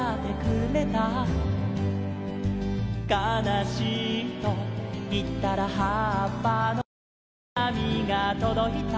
「かなしいといったらはっぱの手紙がとどいたよ」